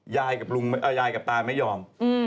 ยายกับตาไม่ยอม